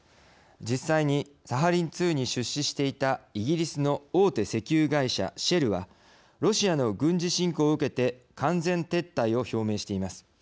実際にサハリン２に出資していたイギリスの大手石油会社シェルはロシアの軍事侵攻を受けて完全撤退を表明しています。